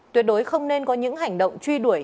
tuyệt đối không nên có những hành động truy đuổi